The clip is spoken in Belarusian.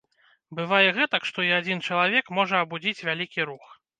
Бывае гэтак, што і адзін чалавек можа абудзіць вялікі рух.